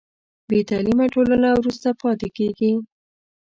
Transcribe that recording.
بې تعلیمه ټولنه وروسته پاتې کېږي.